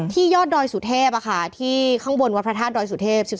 ยอดดอยสุเทพที่ข้างบนวัดพระธาตุดอยสุเทพ